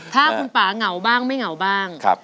ถ้าคุณป่าเหงาบ้างไม่เหงาบ้าง